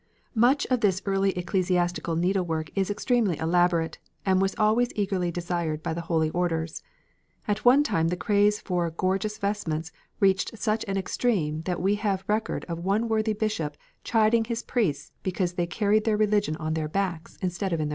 Much of this early ecclesiastic needlework is extremely elaborate and was always eagerly desired by the holy orders. At one time the craze for gorgeous vestments reached such an extreme that we have record of one worthy bishop chiding his priests because they "carried their religion on their backs instead of in their hearts."